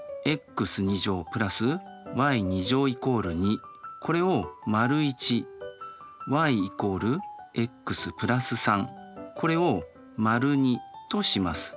ｘ＋ｙ＝２これを①ｙ＝ｘ＋３これを②とします。